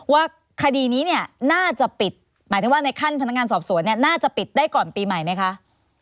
ว่าคดีนี้เนี่ยน่าจะปิดหมายถึงว่าในขั้นพนักงานสอบสวนเนี่ยน่าจะปิดได้ก่อนปีใหม่ไหมคะ